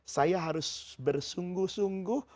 saya harus bersungguh sungguh